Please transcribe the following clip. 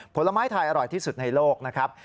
ผลไม้ไทยอร่อยที่สุดในโลกนะครับ